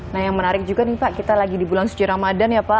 nah yang menarik juga nih pak kita lagi di bulan suci ramadan ya pak